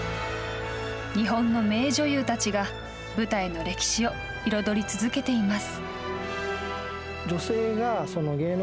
日本の名女優たちが舞台の歴史を彩り続けています。